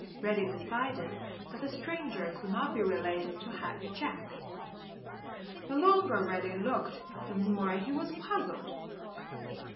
Reddy decided that the stranger could not be related to Happy Jack. The longer Reddy looked the more he was puzzled.